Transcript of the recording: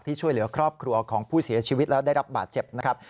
ช่วยเหลือครอบครัวของผู้เสียชีวิตแล้วได้รับบาดเจ็บนะครับ